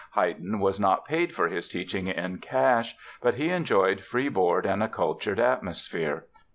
Haydn was not paid for his teaching in cash, but he enjoyed free board and a cultured atmosphere.